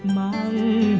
mang hình vắng